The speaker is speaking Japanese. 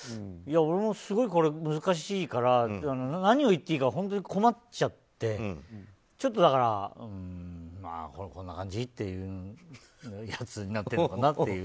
俺もすごい難しいから何を言っていいか困っちゃってちょっと、だからこんな感じ？みたいなやつになっていったのかなって。